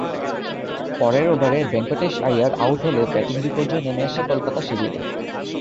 পরের ওভারে ভেঙ্কটেশ আইয়ার আউট হলেই ব্যাটিং বিপর্যয় নেমে আসে কলকাতার শিবিরে।